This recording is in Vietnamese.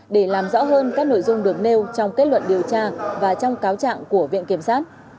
để làm rõ hơn các nội dung được nêu trong kết luận điều tra và trong cáo trạng của viện kiểm sát